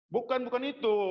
bukan bukan itu